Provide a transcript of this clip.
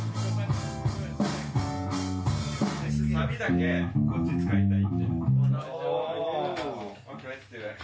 サビだけこっち使いたいって。